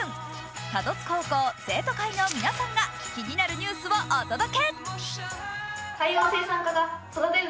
多度津高校生徒会の皆さんが気になるニュースをお届け。